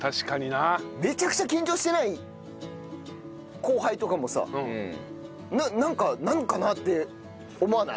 めちゃくちゃ緊張してない後輩とかもさなんかなんかなって思わない？